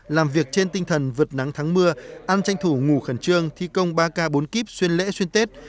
làm việc trên tinh thần vượt nắng thắng mưa an tranh thủ ngủ khẩn trương thi công ba k bốn kip xuyên lễ xuyên tết